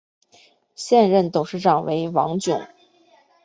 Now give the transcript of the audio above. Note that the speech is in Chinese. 现任董事长为王炯。